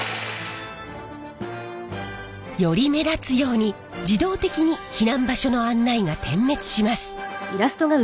より目立つように自動的に避難場所の案内が点滅します。